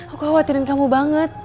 aku khawatirin kamu banget